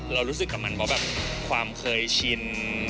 เรารู้สึกกับมันแบบของเคยชิน